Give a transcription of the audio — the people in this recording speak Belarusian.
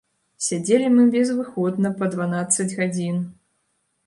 Сядзелі мы безвыходна па дванаццаць гадзін.